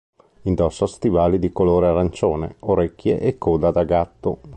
Indossa stivali di colore arancione, orecchie e coda da gatto.